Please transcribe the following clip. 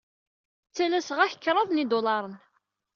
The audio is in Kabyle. Ttalaseɣ-ak kraḍ n yidulaṛen.